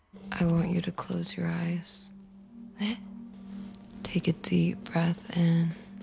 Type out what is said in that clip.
えっ。